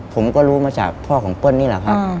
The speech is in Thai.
ผมก็รู้มาจากพ่อของเปิ้ลนี่แหละครับ